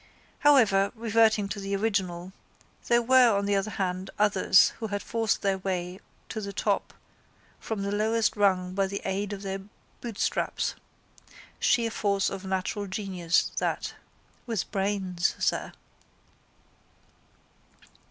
However, reverting to the original, there were on the other hand others who had forced their way to the top from the lowest rung by the aid of their bootstraps. Sheer force of natural genius, that. With brains, sir.